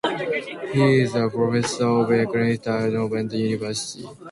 He is a professor of economics at Northeastern University.